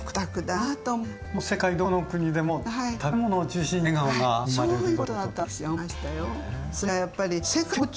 世界どこの国でも食べ物を中心に笑顔が生まれるという事。